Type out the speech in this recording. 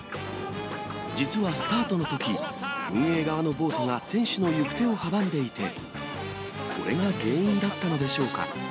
実はスタートのとき、運営側のボートが選手の行く手を阻んでいて、これが原因だったのでしょうか。